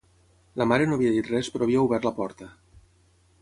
La mare no havia dit res però havia obert la porta.